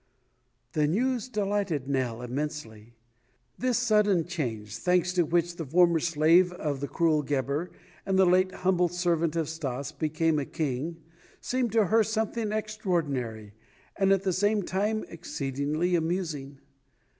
This news delighted Nell immensely. This sudden change, thanks to which the former slave of the cruel Gebhr, and later the humble servant of Stas, became a king, seemed to her something extraordinary and at the same time exceedingly amusing.